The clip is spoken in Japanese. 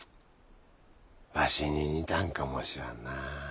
ワシに似たんかもしらんな。